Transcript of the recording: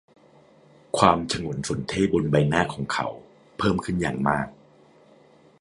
ความฉงนสนเท่ห์บนใบหน้าของเขาเพิ่มขึ้นอย่างมาก